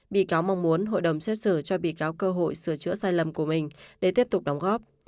bị cáo mong muốn hội đồng xét xử cho bị cáo cơ hội sửa chữa sai lầm của mình để tiếp tục đóng góp